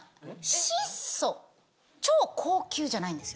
質素、超高級じゃないんですよ。